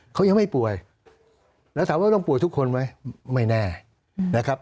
เขายังไม่ป่วยแล้วถามว่าต้องป่วยทุกคนไหมไม่แน่นะครับ